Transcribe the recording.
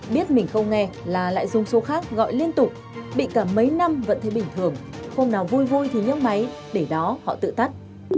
biết mình không nghe là lại dùng số khác gọi liên tục bị cả mấy năm vẫn thấy bình thường không nào vui vui thì nhấp máy để đó họ tự tắt